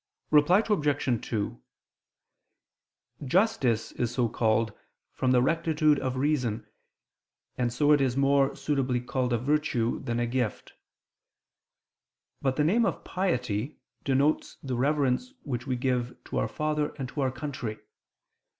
Reply Obj. 2: Justice is so called from the rectitude of the reason, and so it is more suitably called a virtue than a gift. But the name of piety denotes the reverence which we give to our father and to our country.